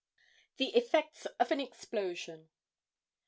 THE EFFECTS OF AN EXPLOSION.